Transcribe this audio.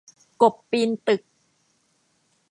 กบปีนตึก